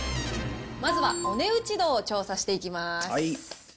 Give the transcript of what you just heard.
まずはお値打ち度を調査していきます。